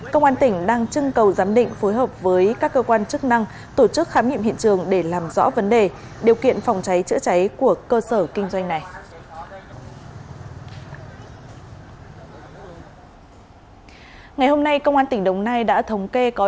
công an tỉnh đắk lắc đang tiếp tục củng cố hồ sơ